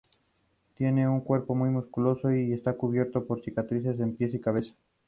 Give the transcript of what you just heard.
Tiene un cuerpo muy musculoso y está cubierto de cicatrices de pies a cabeza.